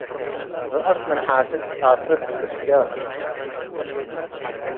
ረእሰ ምን ሓስድ ኣስረት ዲቡ ሕጃብ።